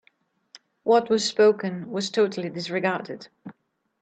What was spoken was totally disregarded.